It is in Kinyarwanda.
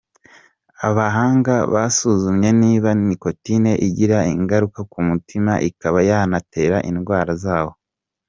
Abahanga basuzumye niba nicotine igira ingaruka ku mutima ikaba yanatera indwara zawo.